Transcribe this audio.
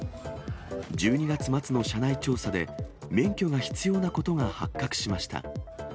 １２月末の社内調査で、免許が必要なことが発覚しました。